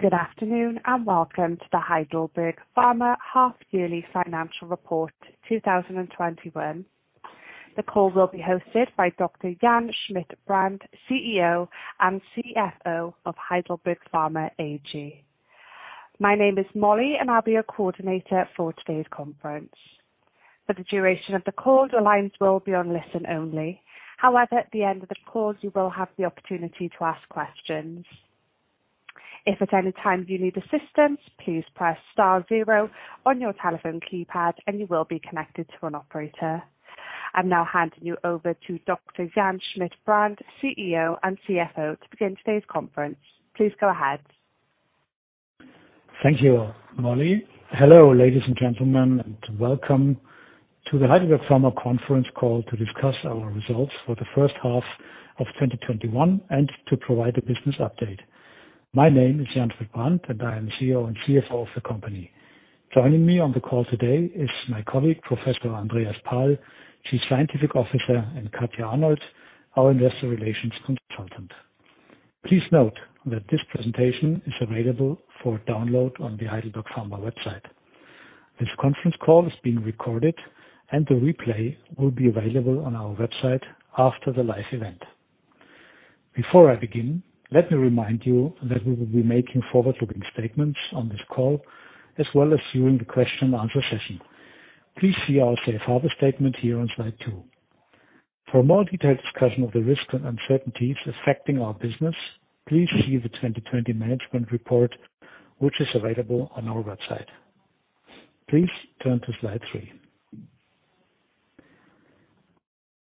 Good afternoon, and welcome to the Heidelberg Pharma half-yearly financial report 2021. The call will be hosted by Dr. Jan Schmidt-Brand, CEO and CFO of Heidelberg Pharma AG. My name is Molly, and I'll be your coordinator for today's conference. For the duration of the call, the lines will be on listen-only. However, at the end of the call, you will have the opportunity to ask questions. If at any time you need assistance, please press star zero on your telephone keypad and you will be connected to an operator. I'm now handing you over to Dr. Jan Schmidt-Brand, CEO and CFO, to begin today's conference. Please go ahead. Thank you, Molly. Hello, ladies and gentlemen, and welcome to the Heidelberg Pharma conference call to discuss our results for the first half of 2021 and to provide a business update. My name is Jan Schmidt-Brand, and I am CEO and CFO of the company. Joining me on the call today is my colleague, Professor Andreas Pahl, Chief Scientific Officer, and Katja Arnold, our investor relations consultant. Please note that this presentation is available for download on the Heidelberg Pharma website. This conference call is being recorded, and the replay will be available on our website after the live event. Before I begin, let me remind you that we will be making forward-looking statements on this call, as well as during the question and answer session. Please see our safe harbor statement here on slide two. For a more detailed discussion of the risks and uncertainties affecting our business, please see the 2020 management report, which is available on our website. Please turn to slide three.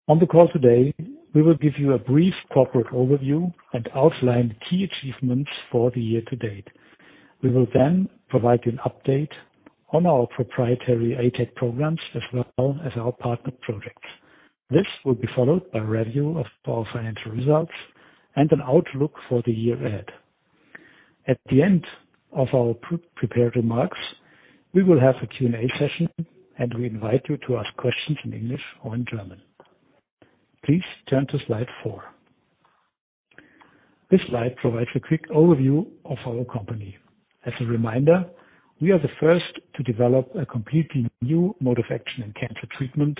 On the call today, we will give you a brief corporate overview and outline the key achievements for the year to date. We will provide an update on our proprietary ATAC programs as well as our partner projects. This will be followed by a review of our financial results and an outlook for the year ahead. At the end of our prepared remarks, we will have a Q&A session. We invite you to ask questions in English or in German. Please turn to slide four. This slide provides a quick overview of our company. As a reminder, we are the first to develop a completely new mode of action in cancer treatment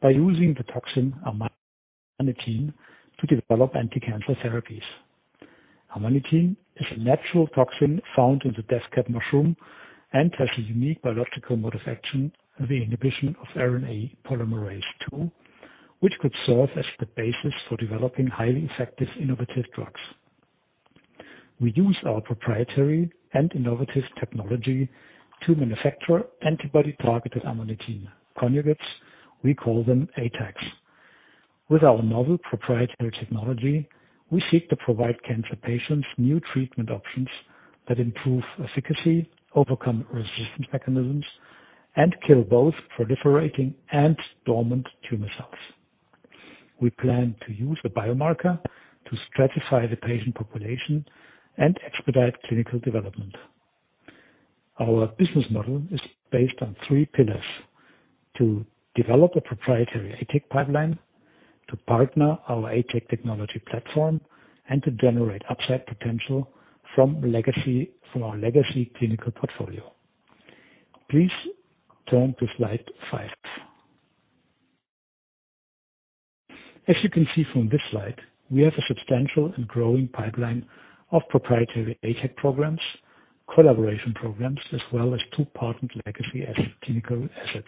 by using the toxin amanitin to develop anti-cancer therapies. Amanitin is a natural toxin found in the death cap mushroom and has a unique biological mode of action, the inhibition of RNA polymerase II, which could serve as the basis for developing highly effective innovative drugs. We use our proprietary and innovative technology to manufacture antibody-targeted amanitin conjugates. We call them ATACs. With our novel proprietary technology, we seek to provide cancer patients new treatment options that improve efficacy, overcome resistance mechanisms, and kill both proliferating and dormant tumor cells. We plan to use a biomarker to stratify the patient population and expedite clinical development. Our business model is based on three pillars: to develop a proprietary ATAC pipeline, to partner our ATAC technology platform, and to generate upside potential from our legacy clinical portfolio. Please turn to slide five. As you can see from this slide, we have a substantial and growing pipeline of proprietary ATAC programs, collaboration programs, as well as two partnered legacy clinical assets.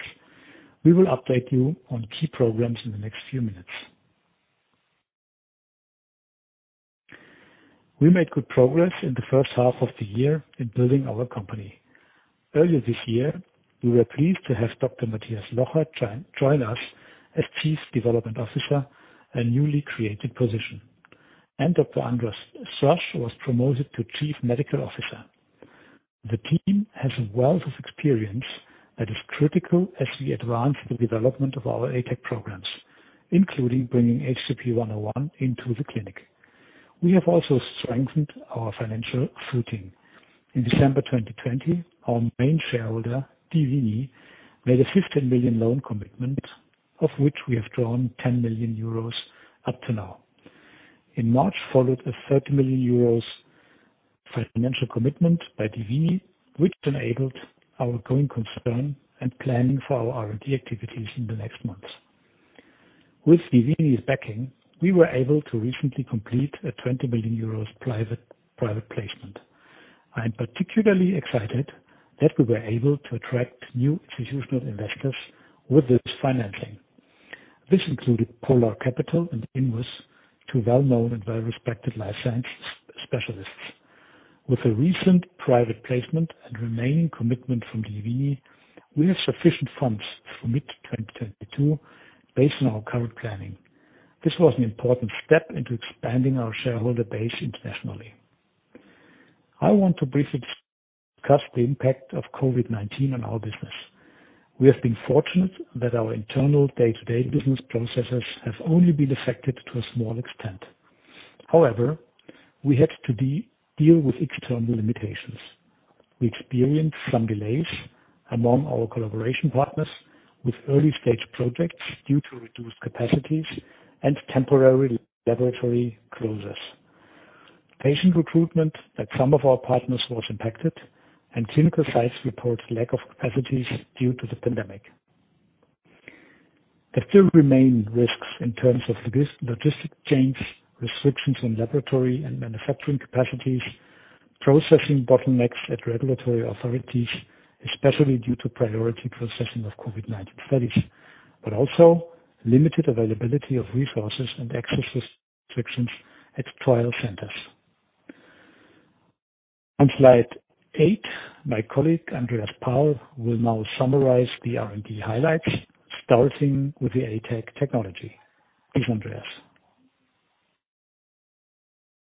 We will update you on key programs in the next few minutes. We made good progress in the first half of the year in building our company. Earlier this year, we were pleased to have Dr Mathias Locher join us as Chief Development Officer, a newly created position. Dr András Strassz was promoted to Chief Medical Officer. The team has a wealth of experience that is critical as we advance the development of our ATAC programs, including bringing HDP-101 into the clinic. We have also strengthened our financial footing. In December 2020, our main shareholder, dievini, made a 15 million loan commitment, of which we have drawn 10 million euros up to now. In March, followed a 30 million euros financial commitment by dievini, which enabled our going concern and planning for our R&D activities in the next months. With dievini's backing, we were able to recently complete a 20 million euros private placement. I'm particularly excited that we were able to attract new institutional investors with this financing. This included Polar Capital and Invus, two well-known and well-respected life science specialists. With the recent private placement and remaining commitment from dievini, we have sufficient funds through mid-2022 based on our current planning. This was an important step into expanding our shareholder base internationally. I want to briefly discuss the impact of COVID-19 on our business. We have been fortunate that our internal day-to-day business processes have only been affected to a small extent. We had to deal with external limitations. We experienced some delays among our collaboration partners with early-stage projects due to reduced capacities and temporary laboratory closures. Patient recruitment at some of our partners was impacted. Clinical sites report lack of capacities due to the pandemic. There still remain risks in terms of logistic chains, restrictions on laboratory and manufacturing capacities, processing bottlenecks at regulatory authorities, especially due to priority processing of COVID-19 studies, but also limited availability of resources and access restrictions at trial centers. On slide eight, my colleague, Andreas Pahl, will now summarize the R&D highlights, starting with the ATAC technology. Thanks, Andreas.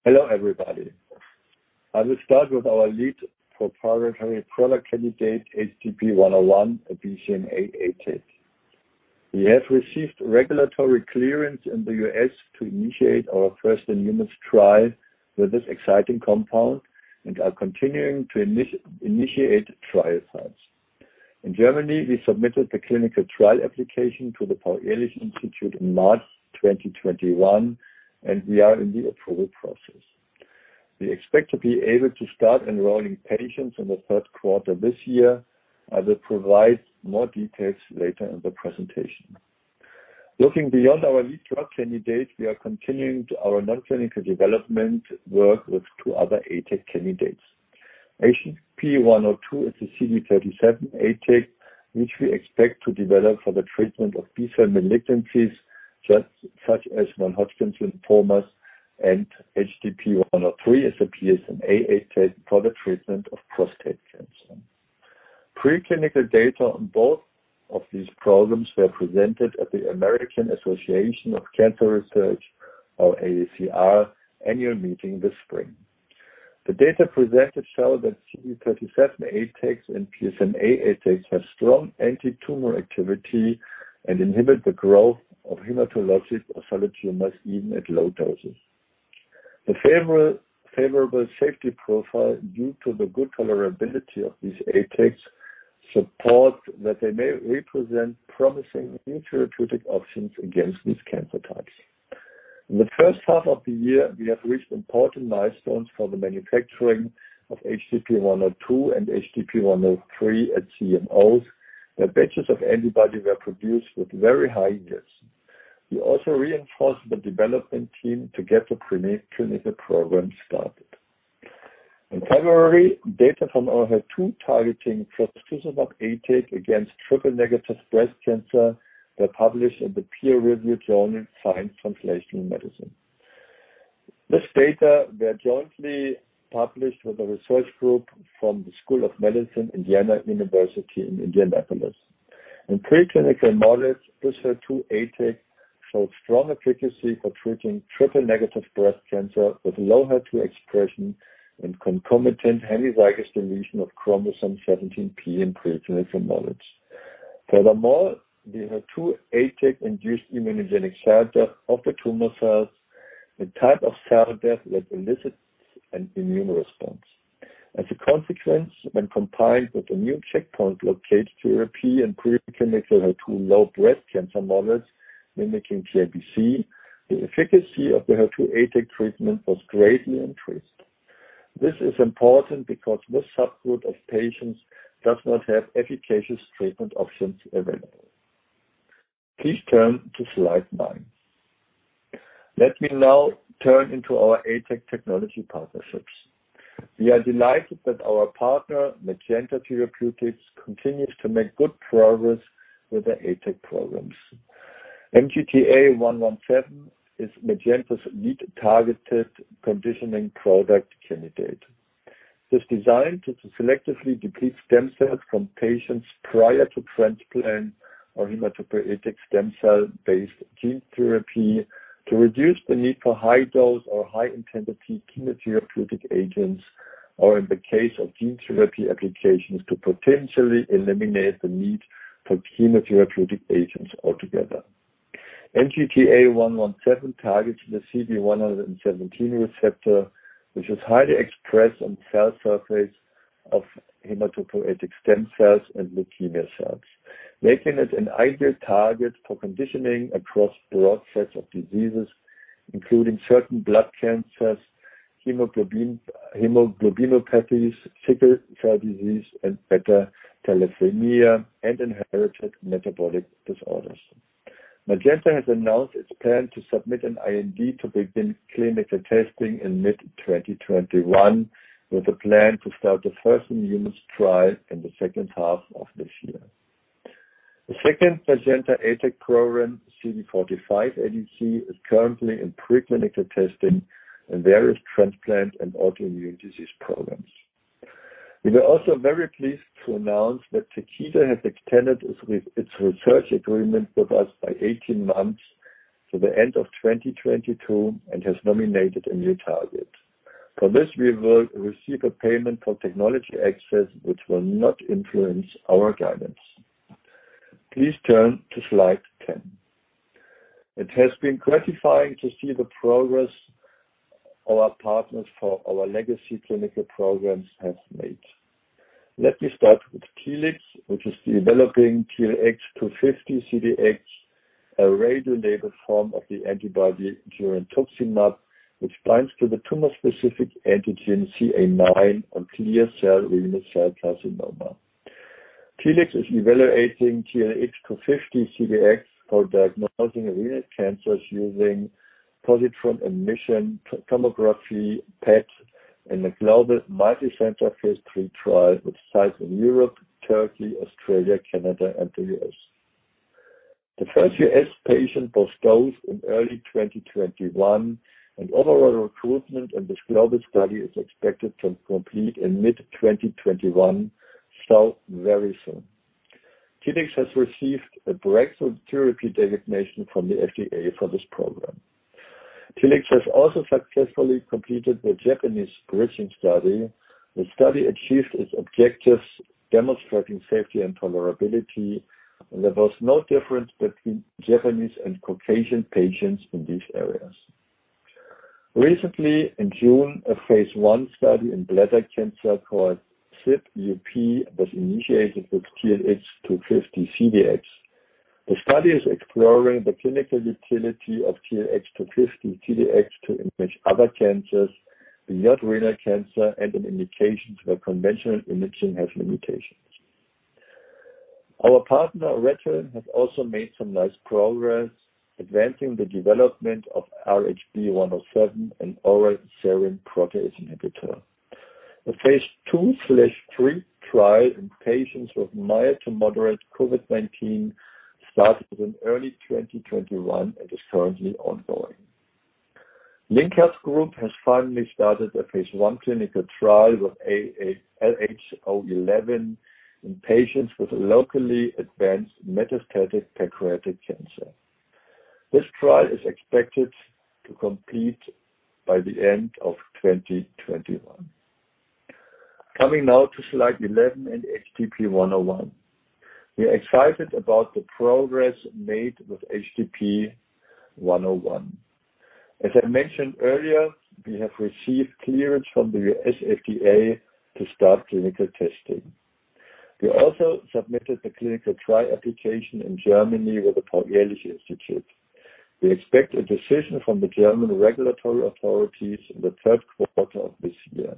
Hello, everybody. I will start with our lead for proprietary product candidate, HDP-101, a BCMA ATAC. We have received regulatory clearance in the U.S. to initiate our first-in-humans trial with this exciting compound and are continuing to initiate trial sites. In Germany, we submitted the clinical trial application to the Paul-Ehrlich-Institut in March 2021, and we are in the approval process. We expect to be able to start enrolling patients in the third quarter of this year and will provide more details later in the presentation. Looking beyond our lead drug candidate, we are continuing our non-clinical development work with two other ATAC candidates. HDP-102 is a CD37 ATAC, which we expect to develop for the treatment of B-cell malignancies, such as non-Hodgkin's lymphomas, and HDP-103 is a PSMA ATAC for the treatment of prostate cancer. Preclinical data on both of these programs were presented at the American Association for Cancer Research, or AACR, annual meeting this spring. The data presented show that CD37 ATACs and PSMA ATACs have strong anti-tumor activity and inhibit the growth of hematologic solid tumors even at low doses. The favorable safety profile due to the good tolerability of these ATACs support that they may represent promising new therapeutic options against these cancer types. In the first half of the year, we have reached important milestones for the manufacturing of HDP-102 and HDP-103 at CMOs, where batches of antibody were produced with very high yields. We also reinforced the development team to get the preclinical program started. In February, data from our HER2-targeting trastuzumab ATAC against triple-negative breast cancer were published in the peer-reviewed journal, Science Translational Medicine. This data were jointly published with a research group from the School of Medicine, Indiana University in Indianapolis. In preclinical models, this HER2 ATAC showed strong efficacy for treating triple-negative breast cancer with low HER2 expression and concomitant hemizygous deletion of chromosome 17p in preclinical models. The HER2 ATAC induced immunogenic cell death of the tumor cells, the type of cell death that elicits an immune response. When combined with immune checkpoint blockade therapy in preclinical HER2 low breast cancer models mimicking TNBC, the efficacy of the HER2 ATAC treatment was greatly improved. This is important because this subgroup of patients does not have efficacious treatment options available. Please turn to slide nine. Let me now turn into our ATAC technology partnerships. We are delighted that our partner, Magenta Therapeutics, continues to make good progress with the ATAC programs. MGTA-117 is Magenta's lead targeted conditioning product candidate. It's designed to selectively deplete stem cells from patients prior to transplant or hematopoietic stem cell-based gene therapy to reduce the need for high-dose or high-intensity chemotherapeutic agents, or in the case of gene therapy applications, to potentially eliminate the need for chemotherapeutic agents altogether. MGTA-117 targets the CD117 receptor, which is highly expressed on the cell surface of hematopoietic stem cells and leukemia cells, making it an ideal target for conditioning across broad sets of diseases, including certain blood cancers, hemoglobinopathies, sickle cell disease, and beta thalassemia, and inherited metabolic disorders. Magenta has announced its plan to submit an IND to begin clinical testing in mid-2021, with a plan to start the first-in-humans trial in the second half of this year. The second Magenta ATAC program, CD45-ADC, is currently in preclinical testing in various transplant and autoimmune disease programs. We are also very pleased to announce that Takeda has extended its research agreement with us by 18 months to the end of 2022 and has nominated a new target. For this, we will receive a payment for technology access, which will not influence our guidance. Please turn to slide 10. It has been gratifying to see the progress our partners for our legacy clinical programs have made. Let me start with Telix, which is developing TLX250-CDx, a radiolabeled form of the antibody girentuximab, which binds to the tumor-specific antigen CA9 on clear cell renal cell carcinoma. Telix is evaluating TLX250-CDx for diagnosing renal cancers using positron emission tomography, PET, in a global multicenter phase III trial with sites in Europe, Turkey, Australia, Canada, and the U.S. The first U.S. patient was dosed in early 2021, and overall recruitment in this global study is expected to complete in mid-2021, so very soon. Telix has received a breakthrough therapy designation from the FDA for this program. Telix has also successfully completed the Japanese bridging study. The study achieved its objectives, demonstrating safety and tolerability, and there was no difference between Japanese and Caucasian patients in these areas. Recently, in June, a phase I study in bladder cancer called ZiPUP was initiated with TLX250-CDx. The study is exploring the clinical utility of TLX250-CDx to image other cancers beyond renal cancer and in indications where conventional imaging has limitations. Our partner, RedHill, has also made some nice progress advancing the development of RHB-107, an oral serine protease inhibitor. The phase II/III trial in patients with mild to moderate COVID-19 started in early 2021 and is currently ongoing. Link Health Group has finally started a phase I clinical trial with LH011 in patients with locally advanced metastatic pancreatic cancer. This trial is expected to complete by the end of 2021. Coming now to slide 11 and HDP-101. We are excited about the progress made with HDP-101. As I mentioned earlier, we have received clearance from the U.S. FDA to start clinical testing. We also submitted the clinical trial application in Germany with the Paul-Ehrlich-Institut. We expect a decision from the German regulatory authorities in the third quarter of this year.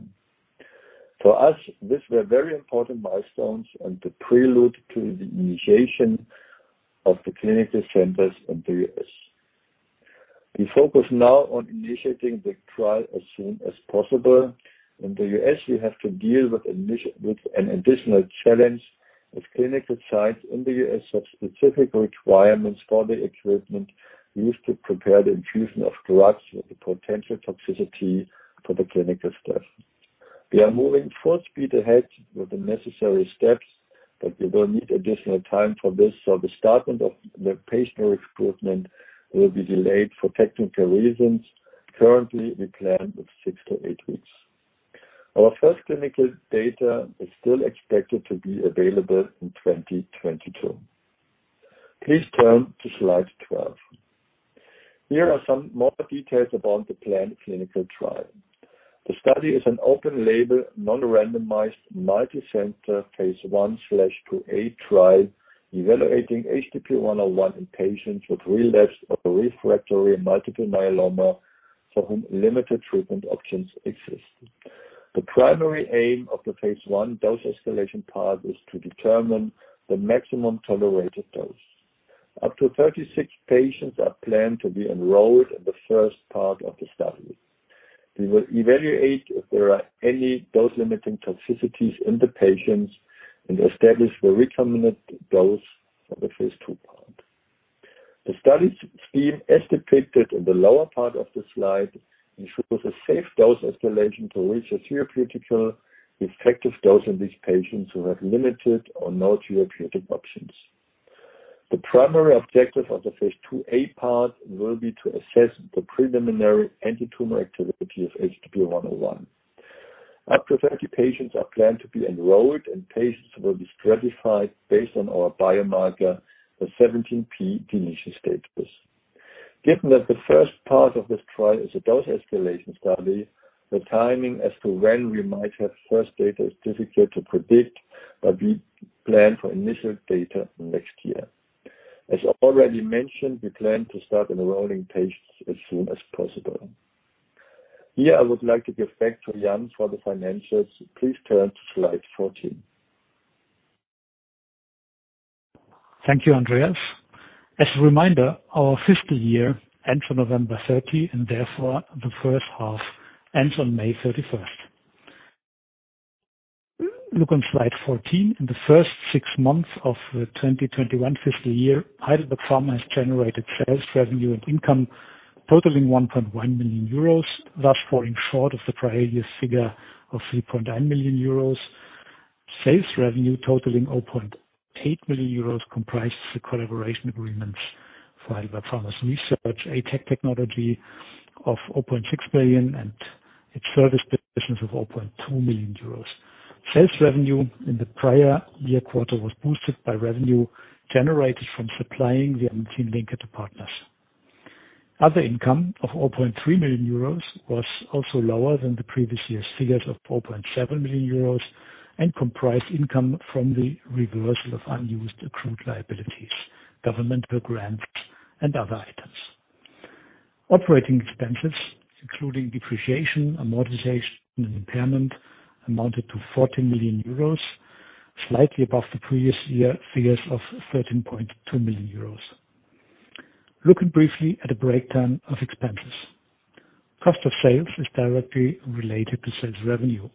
For us, these were very important milestones and the prelude to the initiation of the clinical centers in the U.S. We focus now on initiating the trial as soon as possible. In the U.S., we have to deal with an additional challenge, as clinical sites in the U.S. have specific requirements for the equipment used to prepare the infusion of drugs with the potential toxicity for the clinical staff. We are moving full speed ahead with the necessary steps, but we will need additional time for this, so the start of the patient recruitment will be delayed for technical reasons. Currently, we plan with six to eight weeks. Our first clinical data is still expected to be available in 2022. Please turn to slide 12. Here are some more details about the planned clinical trial. The study is an open-label, non-randomized, multicenter, phase I/II-A trial evaluating HDP-101 in patients with relapsed or refractory multiple myeloma for whom limited treatment options exist. The primary aim of the phase I dose escalation part is to determine the maximum tolerated dose. Up to 36 patients are planned to be enrolled in the first part of the study. We will evaluate if there are any dose-limiting toxicities in the patients and establish the recommended dose for the phase II part. The study scheme, as depicted in the lower part of the slide, ensures a safe dose escalation to reach a therapeutically effective dose in these patients who have limited or no therapeutic options. The primary objective of the phase II-A part will be to assess the preliminary antitumor activity of HDP-101. Up to 30 patients are planned to be enrolled, and patients will be stratified based on our biomarker, the 17p deletion status. Given that the first part of this trial is a dose escalation study, the timing as to when we might have first data is difficult to predict, but we plan for initial data next year. As already mentioned, we plan to start enrolling patients as soon as possible. I would like to get back to Jan for the financials. Please turn to slide 14. Thank you, Andreas. As a reminder, our fiscal year ends on November 30, and therefore the first half ends on May 31st. Look on slide 14. In the first six months of the 2021 fiscal year, Heidelberg Pharma has generated sales revenue and income totaling 1.1 million euros, thus falling short of the previous figure of 3.9 million euros. Sales revenue totaling 0.8 million euros comprises the collaboration agreements for Heidelberg Pharma's research, ATAC technology of 0.6 million and its service divisions of 0.2 million euros. Sales revenue in the prior year quarter was boosted by revenue generated from supplying the amanitin linker partners. Other income of 4.3 million euros was also lower than the previous year's figures of 4.7 million euros and comprised income from the reversal of unused accrued liabilities, governmental grants, and other items. Operating expenses including depreciation, amortization, and impairment, amounted to 14 million euros, slightly above the previous year figures of 13.2 million euros. Looking briefly at the breakdown of expenses. Cost of sales is directly related to sales revenue.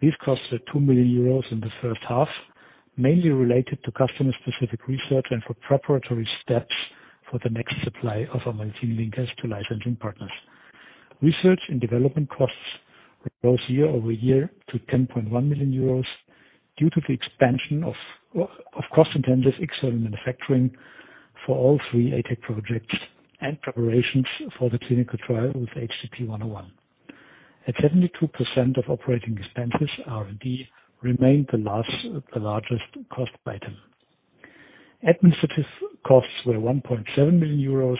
These costs are 2 million euros in the first half, mainly related to customer-specific research and for preparatory steps for the next supply of our amanitin linkers to licensing partners. Research and development costs rose year-over-year to 10.1 million euros due to the expansion of cost and tenders, external manufacturing for all three ATAC projects, and preparations for the clinical trial with HDP-101. At 72% of operating expenses, R&D remained the largest cost item. Administrative costs were 1.7 million euros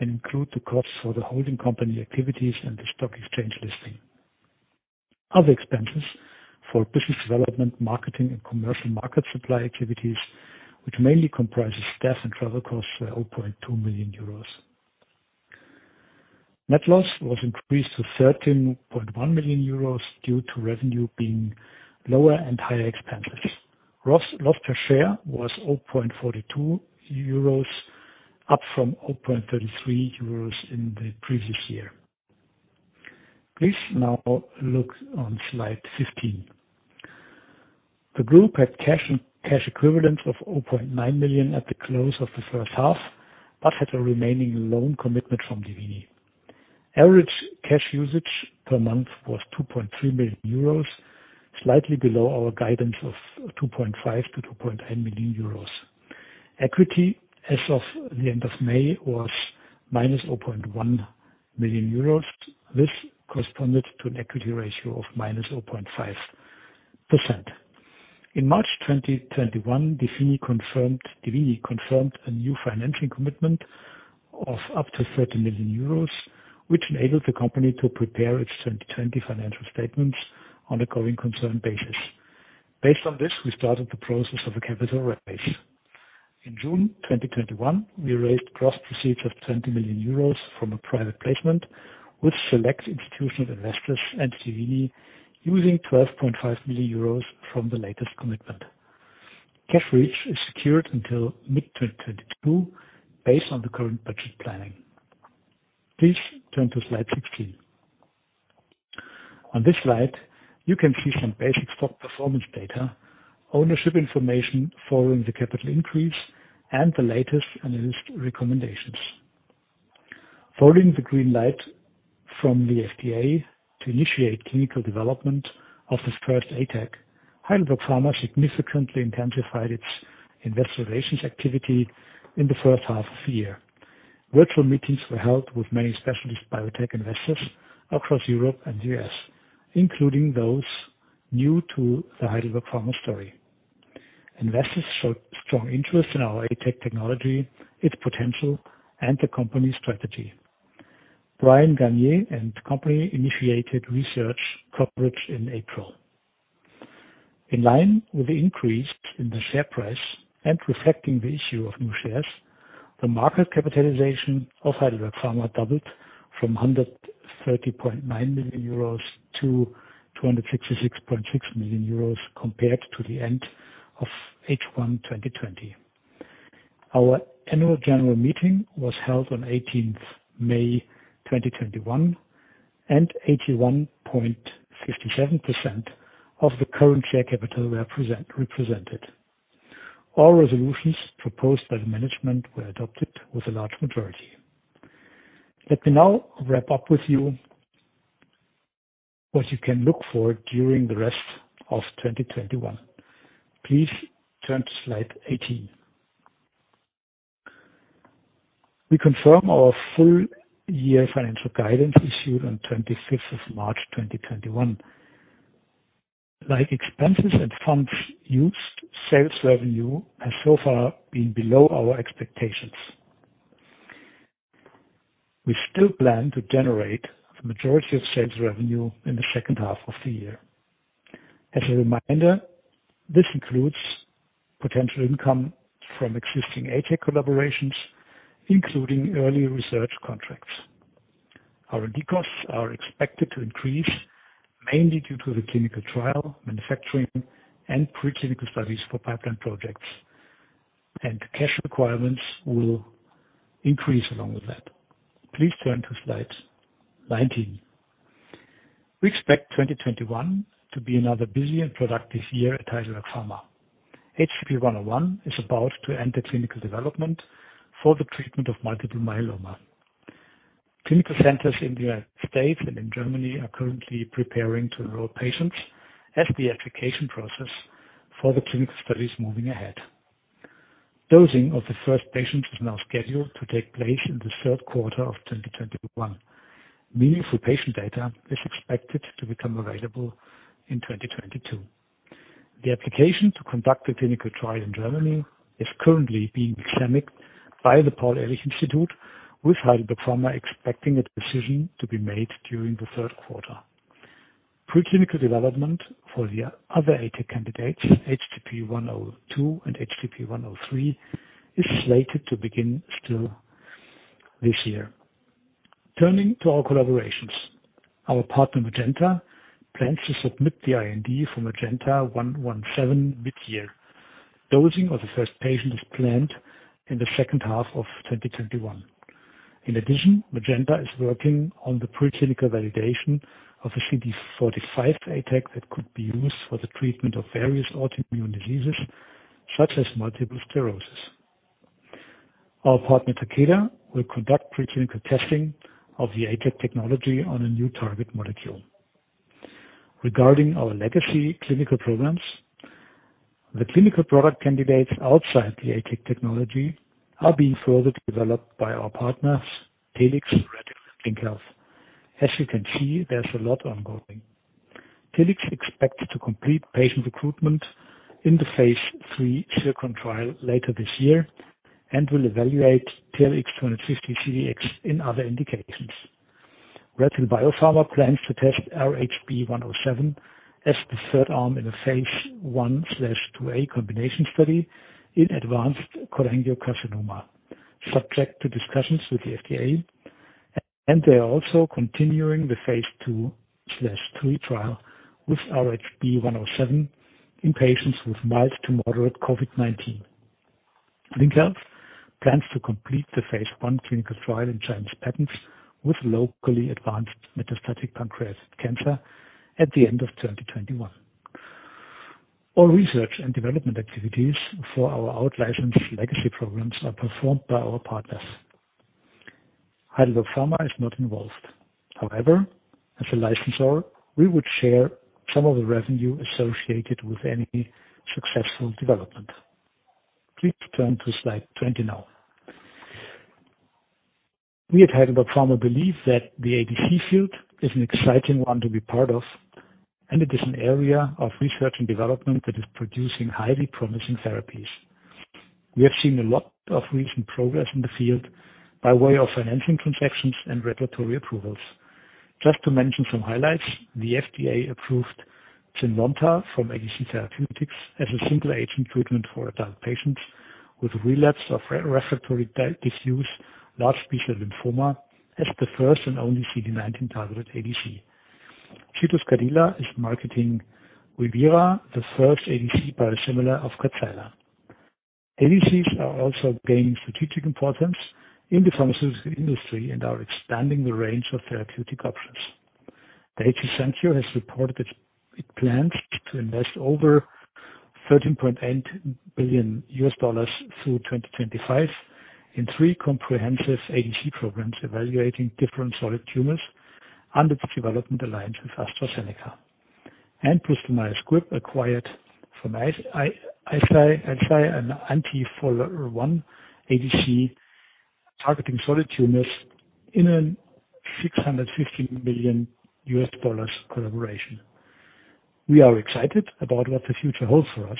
and include the costs for the holding company activities and the stock exchange listing. Other expenses for business development, marketing, and commercial market supply activities, which mainly comprises staff and travel costs, were 0.2 million euros. Net loss was increased to 13.1 million euros due to revenue being lower and higher expenditures. Loss per share was 0.42 euros, up from 0.33 euros in the previous year. Please now look on slide 15. The group had cash equivalents of 0.9 million at the close of the first half, but had a remaining loan commitment from dievini. Average cash usage per month was 2.3 million euros, slightly below our guidance of 2.5 million-2.9 million euros. Equity as of the end of May was -0.1 million euros. This corresponded to an equity ratio of minus 0.5%. In March 2021, dievini confirmed a new financial commitment of up to 30 million euros, which enabled the company to prepare its 2020 financial statements on a going concern basis. Based on this, we started the process of a capital raise. In June 2021, we raised gross proceeds of 20 million euros from a private placement with select institutional investors and dievini using 12.5 million euros from the latest commitment. Cash reach is secured until mid-2022 based on the current budget planning. Please turn to slide 16. On this slide, you can see some basic stock performance data, ownership information following the capital increase, and the latest analyst recommendations. Following the green light from the FDA to initiate clinical development of this first ATAC, Heidelberg Pharma significantly intensified its investor relations activity in the first half of the year. Virtual meetings were held with many specialist biotech investors across Europe and U.S., including those new to the Heidelberg Pharma story. Investors showed strong interest in our ATAC technology, its potential, and the company strategy. Bryan, Garnier & Company initiated research coverage in April. In line with the increase in the share price and reflecting the issue of new shares, the market capitalization of Heidelberg Pharma doubled from 130.9 million-266.6 million euros compared to the end of H1 2020. Our annual general meeting was held on 18th May 2021, and 81.57% of the current share capital represented. All resolutions proposed by the management were adopted with a large majority. Let me now wrap up with you what you can look for during the rest of 2021. Please turn to slide 18. We confirm our full year financial guidance issued on 26th March 2021. Like expenses and funds used, sales revenue has so far been below our expectations. We still plan to generate the majority of sales revenue in the second half of the year. As a reminder, this includes potential income from existing ATAC collaborations, including early research contracts. R&D costs are expected to increase, mainly due to the clinical trial, manufacturing, and pre-clinical studies for pipeline projects, and cash requirements will increase along with that. Please turn to slide 19. We expect 2021 to be another busy and productive year at Heidelberg Pharma. HDP-101 is about to enter clinical development for the treatment of multiple myeloma. Clinical centers in the U.S. and in Germany are currently preparing to enroll patients as the application process for the clinical study is moving ahead. Dosing of the first patient is now scheduled to take place in the third quarter of 2021. Meaningful patient data is expected to become available in 2022. The application to conduct a clinical trial in Germany is currently being examined by the Paul-Ehrlich-Institut, with Heidelberg Pharma expecting a decision to be made during the third quarter. Preclinical development for the other ATAC candidates, HDP-102 and HDP-103, is slated to begin still this year. Turning to our collaborations, our partner Magenta plans to submit the IND for MGTA-117 mid-year. Dosing of the first patient is planned in the second half of 2021. In addition, Magenta is working on the preclinical validation of a CD45-ATAC that could be used for the treatment of various autoimmune diseases, such as multiple sclerosis. Our partner Takeda will conduct preclinical testing of the ATAC technology on a new target molecule. Regarding our legacy clinical programs, the clinical product candidates outside the ATAC technology are being further developed by our partners, Telix, RedHill and [Kinvia]. As you can see, there's a lot ongoing. Telix expects to complete patient recruitment in the phase III ZIRCON trial later this year and will evaluate TLX250-CDx in other indications. RedHill Biopharma plans to test RHB-107 as the third arm in a phase I/II-A combination study in advanced cholangiocarcinoma, subject to discussions with the FDA. They're also continuing the phase II/III trial with RHB-107 in patients with mild to moderate COVID-19. [Kinvia] plans to complete the phase I clinical trial in Chinese patients with locally advanced metastatic pancreatic cancer at the end of 2021. All research and development activities for our out-licensed legacy programs are performed by our partners. Heidelberg Pharma is not involved. As a licensor, we would share some of the revenue associated with any successful development. Please turn to slide 20 now. We at Heidelberg Pharma believe that the ADC field is an exciting one to be part of. It is an area of research and development that is producing highly promising therapies. We have seen a lot of recent progress in the field by way of financing transactions and regulatory approvals. Just to mention some highlights, the FDA approved ZYNLONTA from ADC Therapeutics as a single agent treatment for adult patients with relapsed or refractory diffuse large B-cell lymphoma as the first and only CD19 targeted ADC. Zydus Cadila is marketing Ujvira, the first ADC biosimilar of Kadcyla. ADCs are also gaining strategic importance in the pharmaceutical industry and are expanding the range of therapeutic options. Daiichi Sankyo has reported it plans to invest over $13.8 billion through 2025 in three comprehensive ADC programs evaluating different solid tumors under the development alliance with AstraZeneca. [inaudible] acquired from Eisai an anti-FOLR1 ADC targeting solid tumors in a $650 million collaboration. We are excited about what the future holds for us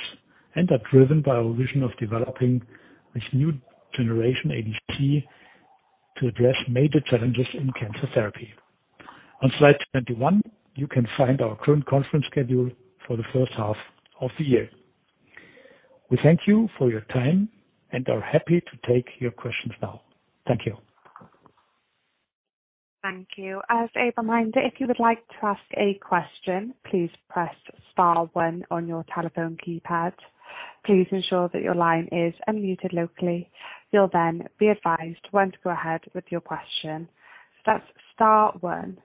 and are driven by our vision of developing this new generation ADC to address major challenges in cancer therapy. On slide 21, you can find our current conference schedule for the first half of the year. We thank you for your time and are happy to take your questions now. Thank you. Thank you. As a reminder, if you would like to ask a question, please press star one on your telephone keypad. Please ensure that your line is unmuted locally. You'll then be advised when to go ahead with your question. That's star one.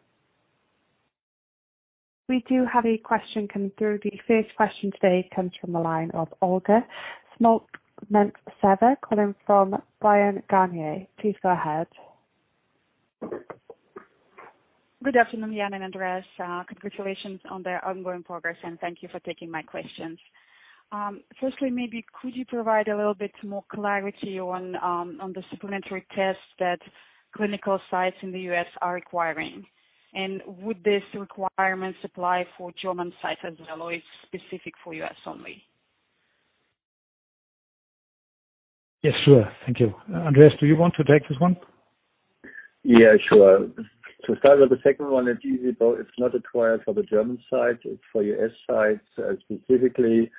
We do have a question come through. The first question today comes from the line of Olga Smolentseva calling from Bryan Garnier. Please go ahead. Good afternoon. Jan and Andreas, congratulations on the ongoing progress, and thank you for taking my questions. Firstly, maybe could you provide a little bit more clarity on the supplementary tests that clinical sites in the U.S. are requiring? Would this requirement apply for German sites as well, or is specific for U.S. only? Yes, sure. Thank you. Andreas, do you want to take this one? Yeah, sure. To start with the second one, it's easy, though. It's not a trial for the German site. It's for U.S. sites specifically,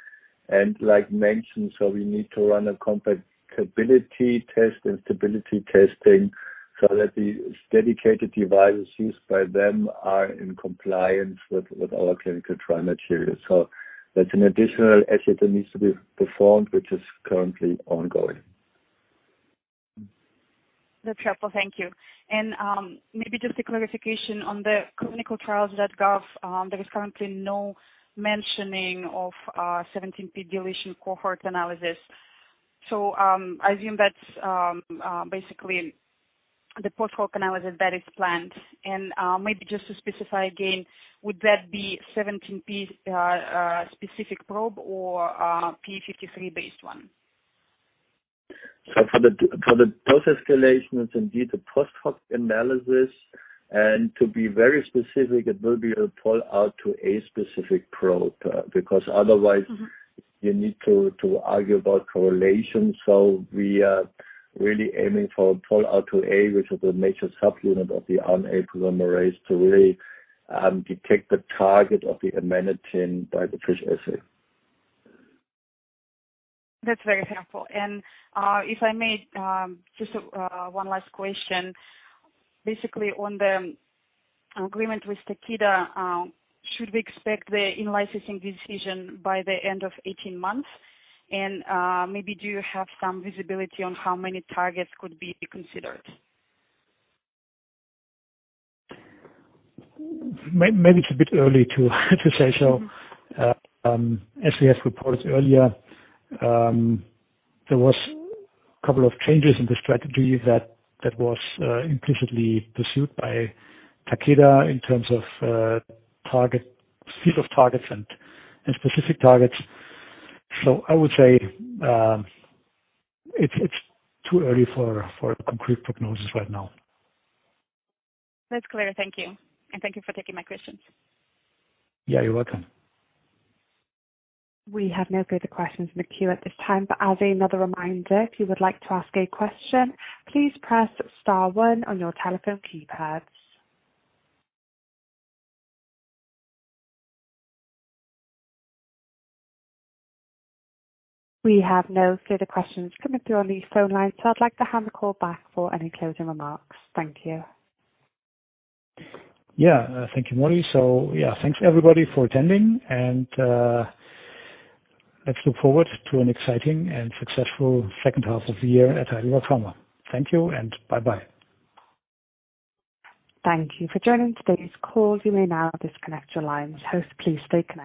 and like mentioned, so we need to run a compatibility test and stability testing so that the dedicated devices used by them are in compliance with our clinical trial material. That's an additional assay that needs to be performed, which is currently ongoing. That's helpful. Thank you. Maybe just a clarification on clinicaltrials.gov, there is currently no mentioning of 17p deletion cohort analysis. I think that's basically the post-hoc analysis that is planned. Maybe just to specify again, would that be 17p specific probe or p53 based one? For the post escalation, it's indeed the post-hoc analysis. To be very specific, it will be a POLR2A specific probe, because otherwise you need to argue about correlation. We are really aiming for POLR2A, which is a major subunit of the RNA polymerase, to really detect the target of the amanitin by the FISH assay. That's very helpful. If I may, just one last question. Basically, on the agreement with Takeda, should we expect the in-licensing decision by the end of 18 months? Maybe do you have some visibility on how many targets could be considered? Maybe it's a bit early to say so. As we have reported earlier, there was a couple of changes in the strategy that was implicitly pursued by Takeda in terms of targets and specific targets. I would say it's too early for a concrete prognosis right now. That's clear. Thank you, and thank you for taking my questions. Yeah, you're welcome. We have no further questions in the queue at this time. As another reminder, if you would like to ask a question, please press star one on your telephone keypads. We have no further questions coming through on the phone lines. I'd like to hand the call back for any closing remarks. Thank you. Thank you, Molly. Thanks everybody for attending. Let's look forward to an exciting and successful second half of the year at Heidelberg Pharma. Thank you and bye-bye. Thank you for joining today's call. You may now disconnect your lines. Host, please stay on the line.